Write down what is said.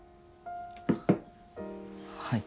はい。